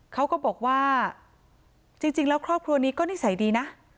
เขาก็บอกว่าจริงแล้วครอบครัวนี้ก็นิสัยดีนะ